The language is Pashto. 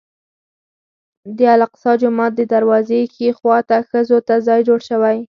د الاقصی جومات د دروازې ښي خوا ته ښځو ته ځای جوړ شوی.